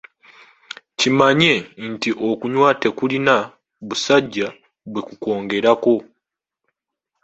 Kimanye nti okunywa tekulina "busajja" bwe kukwongerako.